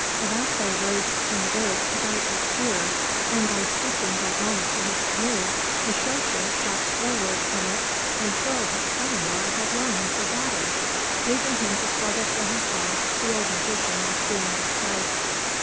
Owasso rose in the boat to dart his spear, and by speaking that moment to his canoe, Mishosha shot forward in it and hurled his son in law headlong into the water. Leaving him to struggle for himself, the old magician was soon out of sight.